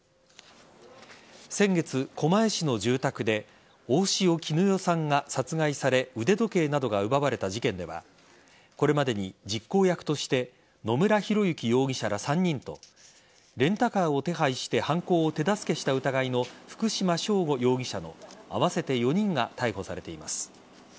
先月、狛江市の住宅で大塩衣与さんが殺害され腕時計などが奪われた事件ではこれまでに実行役として野村広之容疑者ら３人とレンタカーを手配して犯行を手助けした疑いの福島聖悟容疑者の合わせて４人が逮捕されています。